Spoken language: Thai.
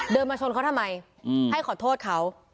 มาชนเขาทำไมให้ขอโทษเขา